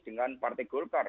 dengan partai golkar